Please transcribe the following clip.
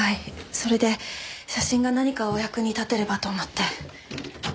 それで写真が何かお役に立てればと思って。